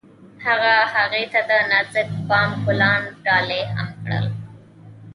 هغه هغې ته د نازک بام ګلان ډالۍ هم کړل.